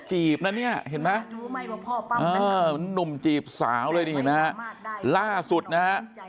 จีบนะเนี่ยเห็นไหมนุ่มจีบสาวเลยนะล่าสุดนะ